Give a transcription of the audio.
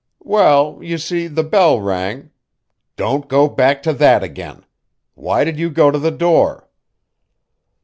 "Well, you see, the bell rang" "Don't go back to that again! Why did you go to the door?"